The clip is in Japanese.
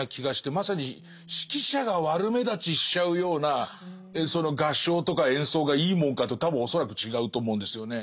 まさに指揮者が悪目立ちしちゃうような合唱とか演奏がいいもんかというと多分恐らく違うと思うんですよね。